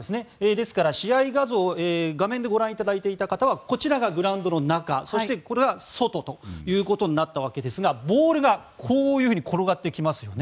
ですから試合画像画面でご覧いただいていた方はこちらがグラウンドの中そしてこちらが外となったわけですがボールがこういうふうに転がってきますよね。